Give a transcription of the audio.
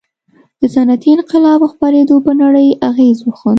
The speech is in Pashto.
د صنعتي انقلاب خپرېدو پر نړۍ اغېز وښند.